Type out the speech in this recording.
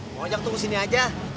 oke bang ojak tunggu sini aja